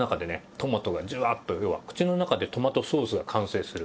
トマトがジュワッと要は口の中でトマトソースが完成する。